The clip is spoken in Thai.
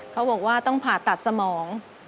เขาบอกว่าต้องผ่าตัดสมอง